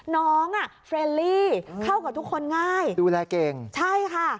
น้องอ่ะเฟรนลี่เข้ากับทุกคนง่ายดูแลเก่งใช่ค่ะ